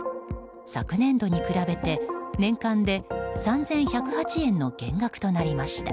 昨年度に比べて年間で３１０８円の減額となりました。